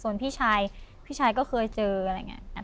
โสดพี่ชายพี่ชายก็เคยเจออะไรไง